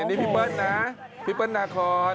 นี่พี่เปิ้ลนะพี่เปิ้ลนาคอน